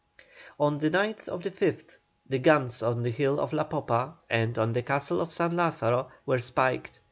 On the night of the 5th the guns on the hill of La Popa, and on the castle of San Lazaro, were spiked.